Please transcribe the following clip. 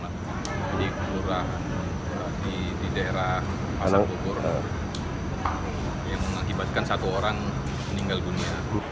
jadi kemurah di daerah pasar bogor yang mengakibatkan satu orang meninggal dunia